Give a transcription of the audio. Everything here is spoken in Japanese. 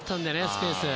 スペース。